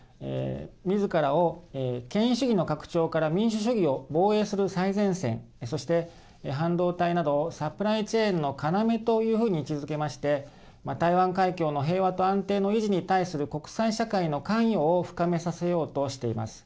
みずからを権威主義の拡張から民主主義を防衛する最前線そして、半導体などサプライチェーンの要というふうに位置づけまして台湾海峡の平和と安定の維持に対する国際社会の関与を深めさせようとしています。